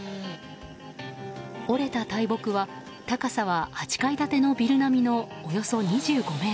折れた大木は高さは８階建てのビル並みのおよそ２５ｍ。